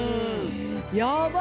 やばい！